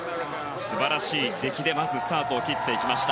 素晴らしい出来でスタートを切っていきました。